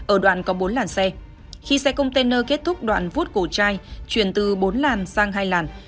ở đoạn có bốn làn xe khi xe container kết thúc đoạn vuốt cổ trai chuyển từ bốn làn sang hai làn